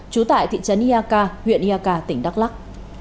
trú tại thị trấn ia ca huyện ia ca tỉnh đắk lắc